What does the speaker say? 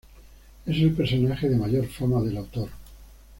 Es el personaje de mayor fama del autor.